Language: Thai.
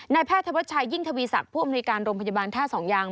แพทย์ธวัชชัยยิ่งทวีศักดิ์ผู้อำนวยการโรงพยาบาลท่าสองยาง